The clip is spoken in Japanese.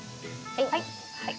はい。